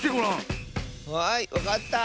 はいわかった！